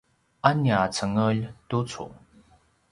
a nia cengelj tucu